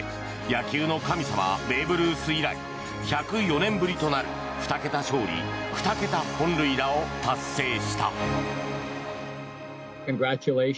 野球の神様ベーブ・ルース以来１０４年ぶりとなる２桁勝利２桁本塁打を達成した。